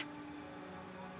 lo tenang aja